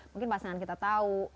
mungkin pasangan kita tahu